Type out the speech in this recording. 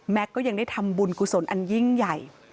ก็ยังได้ทำบุญกุศลอันยิ่งใหญ่